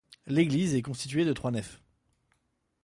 L'église est constitué de trois nefs.